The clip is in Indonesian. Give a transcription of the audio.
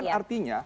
nah ini kan artinya